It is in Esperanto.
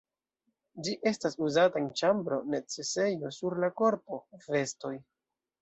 Ĝi estas uzata en ĉambro, necesejo, sur la korpo, vestoj.